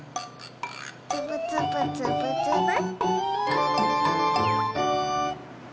つぶつぶつぶつぶ。